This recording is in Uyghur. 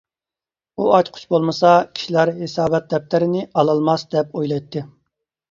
ئۇ ئاچقۇچ بولمىسا، كىشىلەر ھېسابات دەپتەرنى ئالالماس دەپ ئويلايتتى.